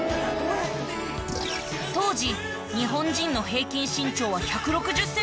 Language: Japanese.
当時日本人の平均身長は１６０センチ前後。